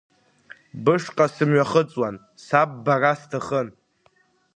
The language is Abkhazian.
Бышҟа сымҩахыҵуан, са ббара сҭахын.